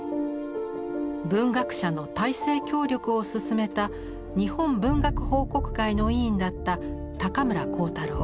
文学者の体制協力をすすめた日本文学報国会の委員だった高村光太郎。